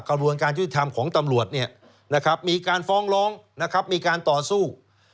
การรวมการยุทธิธรรมของตำรวจมีการฟองร้องมีการต่อสู้